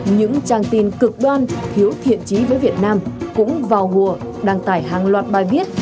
những trang tin cực đoan thiếu thiện trí với việt nam cũng vào hùa đăng tải hàng loạt bài viết